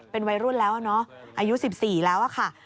เป็นวัยรุ่นแล้วเนอะอายุ๑๔แล้วค่ะ